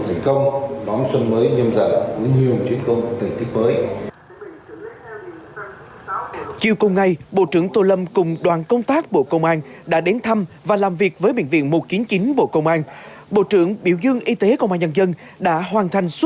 tại buổi làm việc bộ trưởng tô lâm cũng gửi lời cảm ơn lãnh đạo tp đà nẵng đã quan tâm